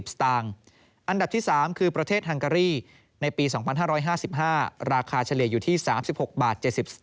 สตางค์อันดับที่๓คือประเทศฮังการีในปี๒๕๕๕ราคาเฉลี่ยอยู่ที่๓๖บาท